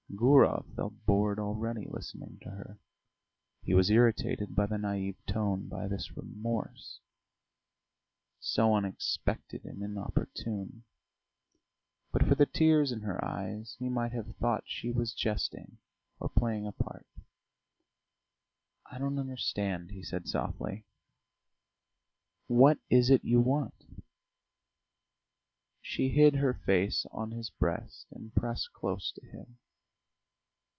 Gurov felt bored already, listening to her. He was irritated by the naïve tone, by this remorse, so unexpected and inopportune; but for the tears in her eyes, he might have thought she was jesting or playing a part. "I don't understand," he said softly. "What is it you want?" She hid her face on his breast and pressed close to him.